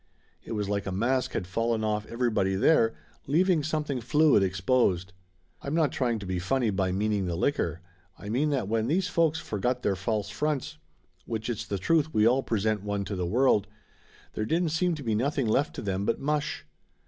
It was like a mask had fallen off everybody there, leaving something fluid exposed. I'm not trying to be funny by meaning the liquor. I mean that when these folks forgot their false fronts, which it's the truth we all present one to the world, there didn't seem to be nothing left to them but mush.